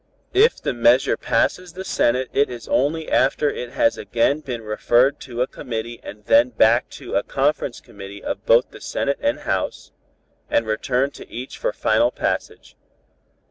"If the measure passes the Senate it is only after it has again been referred to a committee and then back to a conference committee of both Senate and House, and returned to each for final passage.